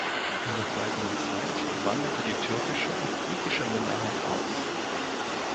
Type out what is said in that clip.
In der folgenden Zeit wanderte die türkische und griechische Minderheit aus.